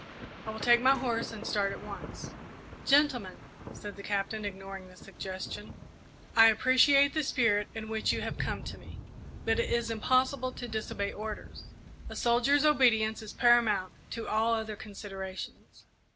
I will take my horse and start at once." "Gentlemen," said the Captain, ignoring the suggestion, "I appreciate the spirit in which you have come to me, but it is impossible to disobey orders. A soldier's obedience is paramount to all other considerations.